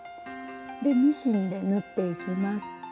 でミシンで縫っていきます。